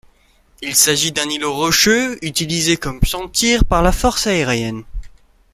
Il s'agit d'un îlot rocheux, utilisé comme champ de tir par la Force aérienne.